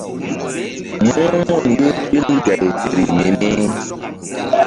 Muh mun ye ɓil gay feri mini.